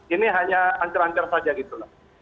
ini hanya ancur ancur saja gitu